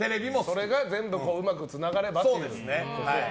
それが全部うまくつながればっていうことね。